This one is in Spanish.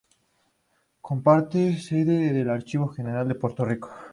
Comparte sede con el Archivo General de Puerto Rico.